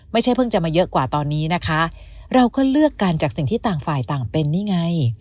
เพิ่งจะมาเยอะกว่าตอนนี้นะคะเราก็เลือกกันจากสิ่งที่ต่างฝ่ายต่างเป็นนี่ไง